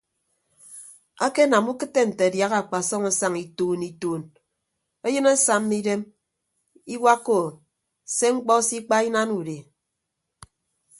Akenam ukịtte nte adiaha akpasọm asaña ituun ituun eyịn asamma idem iwakka ou se mkpọ se ikpa inana udi.